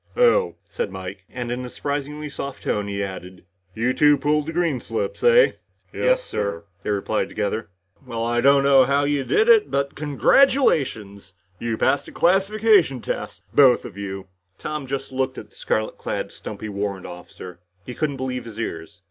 "Oh?" said Mike. And in a surprisingly soft tone he added, "You two pulled green slips, eh?" "Yes, sir," they replied together. "Well, I don't know how you did it, but congratulations. You passed the classification tests. Both of you." Tom just looked at the scarlet clad, stumpy warrant officer. He couldn't believe his ears.